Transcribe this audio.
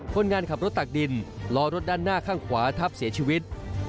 คนงานขับรถตักดินล้อรถด้านหน้าข้างขวาทับเสียชีวิต